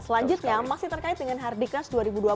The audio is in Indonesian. selanjutnya masih terkait dengan hardikas dua ribu dua puluh